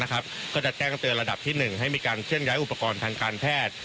ก็จะแจ้งเตือนระดับที่๑ให้มีการเคลื่อนย้ายอุปกรณ์ทางการแพทย์